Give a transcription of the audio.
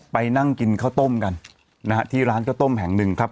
ไปนั่งกินข้าวต้มกันนะฮะที่ร้านข้าวต้มแห่งหนึ่งครับ